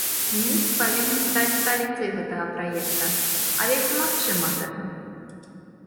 Мінск павінен стаць сталіцай гэтага праекта, але, ці магчыма гэта?